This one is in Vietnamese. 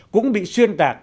cũng bị xuyên tạc